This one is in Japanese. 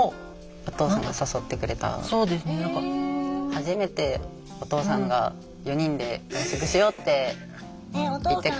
はじめてお父さんが「４人で外食しよう」って言ってくれたらしくって。